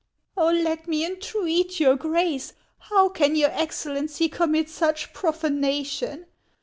" Oh, let me entreat your Grace — How can your Excellency commit such profanation